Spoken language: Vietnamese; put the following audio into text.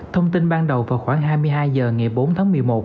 thông tin ban đầu vào khoảng hai mươi hai h ngày bốn tháng một mươi một